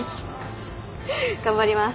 頑張ります。